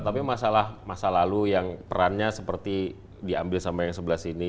tapi masalah masa lalu yang perannya seperti diambil sama yang sebelah sini